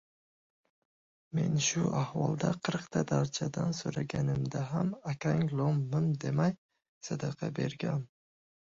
— men shu ahvolda qirqta darchadan so‘raganimda ham akang lom-mim demay sadaqa bergan.